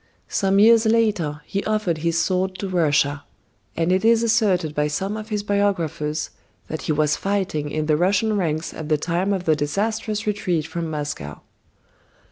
Some years later he offered his sword to Russia; and it is asserted by some of his biographers that he was fighting in the Russian ranks at the time of the disastrous retreat from Moscow.